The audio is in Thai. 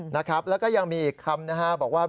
นะครับแล้วก็ยังมีอีกคำนะฮะบอกว่า